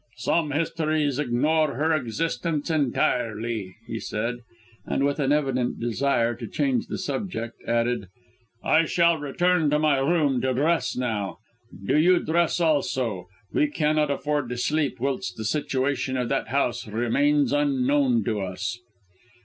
"Some histories ignore her existence entirely," he said; and, with an evident desire to change the subject, added, "I shall return to my room to dress now. Do you dress also. We cannot afford to sleep whilst the situation of that house remains unknown to us."